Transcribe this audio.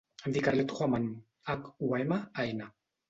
Em dic Arlet Huaman: hac, u, a, ema, a, ena.